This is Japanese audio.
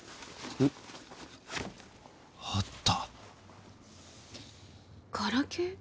あったガラケー？